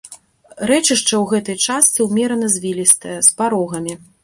Рэчышча ў гэтай частцы ўмерана звілістае, з парогамі.